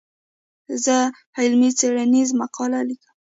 زه علمي څېړنيزه مقاله ليکم.